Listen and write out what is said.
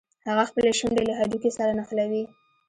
هغه خپلې شونډې له هډوکي سره نښلوي.